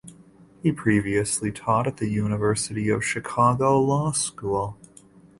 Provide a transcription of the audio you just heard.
He previously taught at the University of Chicago Law School.